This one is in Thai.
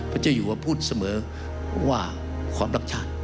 ปัจจุยัวพูดเสมอว่าความรักชาญ